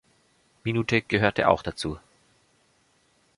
Minute gehörte auch dazu.